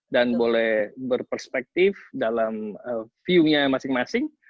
dan boleh berperspektif dalam view nya masing masing